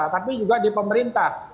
tapi juga di pemerintah